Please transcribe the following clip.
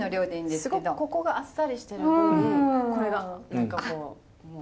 すごくここがあっさりしてる分これが何かもう。